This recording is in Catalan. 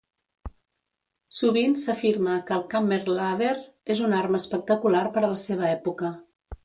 Sovint s'afirma que el kammerlader és una arma espectacular per a la seva època.